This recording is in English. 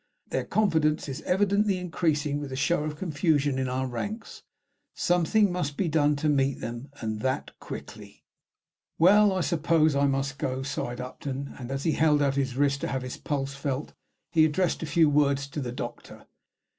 Their confidence is evidently increasing with the show of confusion in our ranks. Something must be done to meet them, and that quickly." "Well, I suppose I must go," sighed Upton; and as he held out his wrist to have his pulse felt, he addressed a few words to the doctor.